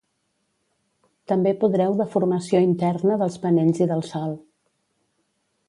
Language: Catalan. També podreu deformació interna dels panells i del sòl.